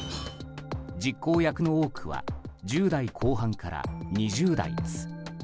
実行役の多くは１０代後半から２０代です。